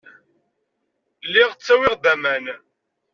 Lliɣ ttawiɣ-d aman.